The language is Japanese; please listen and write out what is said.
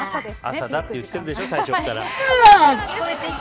朝だって言ってるでしょ最初から。